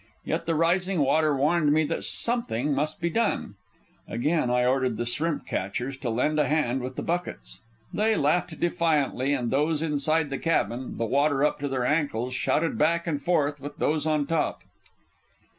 Yet the rising water warned me that something must be done. Again I ordered the shrimp catchers to lend a hand with the buckets. They laughed defiantly, and those inside the cabin, the water up to their ankles, shouted back and forth with those on top.